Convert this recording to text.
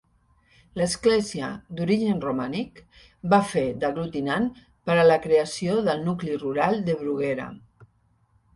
L'església, d'origen romànic, va fer d'aglutinant per a la creació del nucli rural de Bruguera.